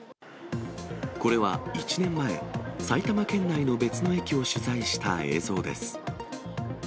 これは１年前、埼玉県内の別の駅を取材した映像です。